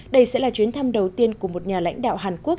đây sẽ là chuyến thăm đầu tiên của một nhà lãnh đạo hàn quốc